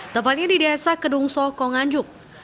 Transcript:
tepatnya di desa kedungsok nganjuk